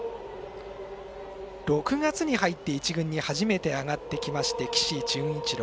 ６月に入って１軍に初めて上がってきまして岸潤一郎。